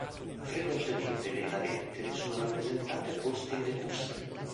Frequentemente le "navette" sono rappresentate poste in decusse.